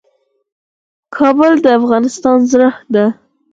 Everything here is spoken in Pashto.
کابل د افغانستان زړه دی